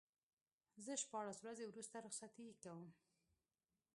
زه شپاړس ورځې وروسته رخصتي کوم.